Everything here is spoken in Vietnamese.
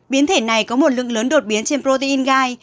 biến thể này có một lượng lớn đột biến trên protein gai